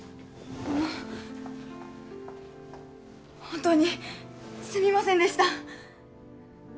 本当にすみませんでした。